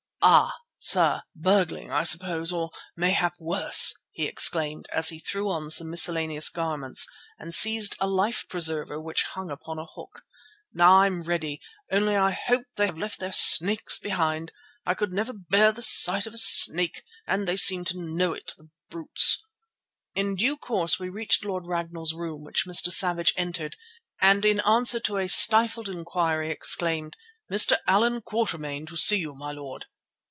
"Ah! sir, burgling, I suppose, or mayhap worse," he exclaimed as he threw on some miscellaneous garments and seized a life preserver which hung upon a hook. "Now I'm ready, only I hope they have left their snakes behind. I never could bear the sight of a snake, and they seem to know it—the brutes." In due course we reached Lord Ragnall's room, which Mr. Savage entered, and in answer to a stifled inquiry exclaimed, "Mr. Allan Quatermain to see you, my lord."